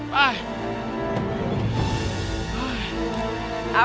ไป